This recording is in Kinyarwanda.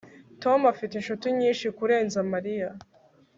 Tom afite inshuti nyinshi kurenza Mariya